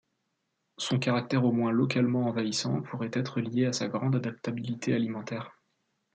Son caractère au moins localement envahissant pourrait être lié à sa grande adaptabilité alimentaire.